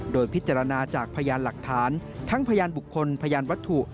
โดยพิจารณาจากพยานหลักฐานทั้งพยานบุคคลพยานวัตถุ